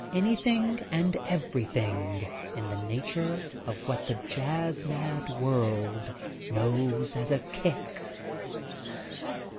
Anything and everything in the nature of what the jazz mad world knows as a "kick."